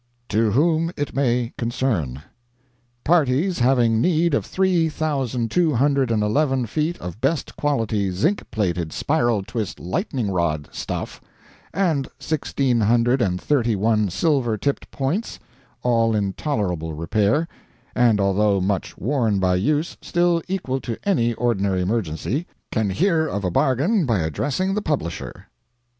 TO WHOM IT MAY CONCERN. Parties having need of three thousand two hundred and eleven feet of best quality zinc plated spiral twist lightning rod stuff, and sixteen hundred and thirty one silver tipped points, all in tolerable repair (and, although much worn by use, still equal to any ordinary emergency), can hear of a bargain by addressing the publisher.